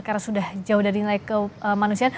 karena sudah jauh dari nilai kemanusiaan